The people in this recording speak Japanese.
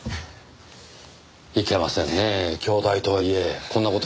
いけませんねぇ兄弟とはいえこんな事しては。